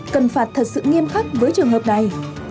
cần phạt thật sự nghiêm khắc với trường hợp này